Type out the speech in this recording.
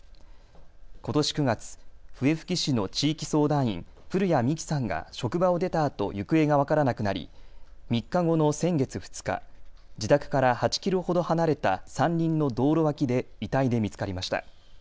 ことし９月、笛吹市の地域相談員、古屋美紀さんが職場を出たあと行方が分からなくなり３日後の先月２日、自宅から８キロほど離れた山林の道路脇で遺体で見つかりました。